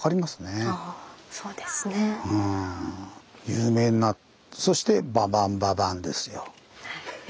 有名になってそして「ババンババン」ですよ。